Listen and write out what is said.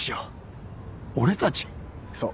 そう。